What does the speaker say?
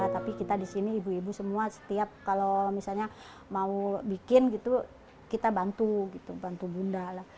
tapi kita di sini ibu ibu semua setiap kalau misalnya mau bikin gitu kita bantu gitu bantu bunda lah